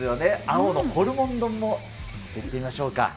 青のホルモン丼もいってみましょうか。